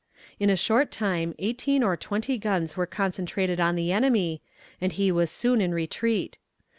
In a short time eighteen or twenty guns were concentrated on the enemy, and he was soon in retreat.